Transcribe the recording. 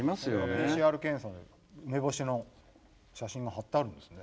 ＰＣＲ検査で梅干しの写真が張ってあるんですね。